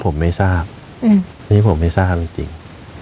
ผมไม่ทราบอันนี้ผมไม่ทราบจริง